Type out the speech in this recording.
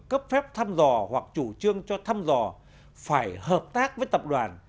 cấp phép thăm dò hoặc chủ trương cho thăm dò phải hợp tác với tập đoàn